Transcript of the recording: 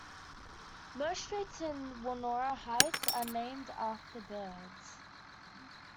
Most streets in Woronora Heights are named after birds.